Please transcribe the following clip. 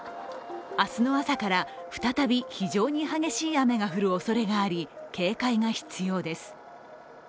明日の朝から再び非常に激しい雨が降るおそれがあり、警戒が必要です。